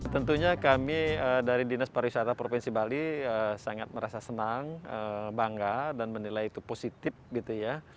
tentunya kami dari dinas pariwisata provinsi bali sangat merasa senang bangga dan menilai itu positif gitu ya